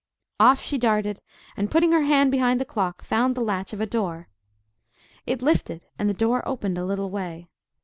Off she darted, and putting her hand behind the clock found the latch of a door. It lifted, and the door opened a little way.